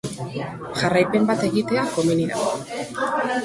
Jarraipen bat egitea komeni da.